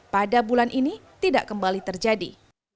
pada bulan ini tidak kembali terjadi